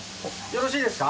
よろしいですか？